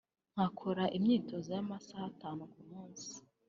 nkakora imyitozo y’amasaha atanu ku munsi